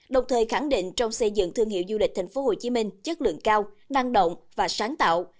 đồng thời khẳng định trong xây dựng thương hiệu du lịch tp hcm chất lượng cao năng động và sáng tạo